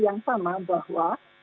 yang sama bahwa